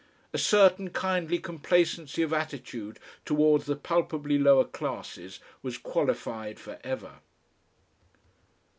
A certain kindly complacency of attitude towards the palpably lower classes was qualified for ever.